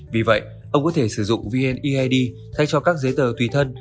vì vậy ông có thể sử dụng vneid thay cho các giấy tờ tùy thân